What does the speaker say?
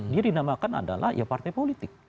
dia dinamakan adalah ya partai politik